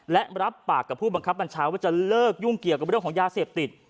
และรับปากกับผู้บังคับบัญชาว่าจะเลิกยุ่งเกี่ยวกับเรื่องของยาเสพติด